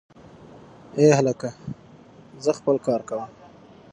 ای هلکه ځه غولی خپل کار کوه